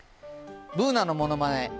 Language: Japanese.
Ｂｏｏｎａのものまね。